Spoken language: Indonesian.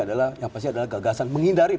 adalah yang pasti adalah gagasan menghindari